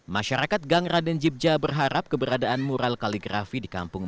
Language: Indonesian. masyarakat gangra dan jibja berharap keberadaan mural kaligrafi di kampung